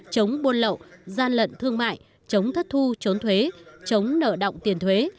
chống buôn lậu gian lận thương mại chống thất thu trốn thuế chống nợ động tiền thuế